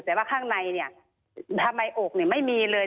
แต่ว่าข้างในเนี่ยทำไมอกไม่มีเลย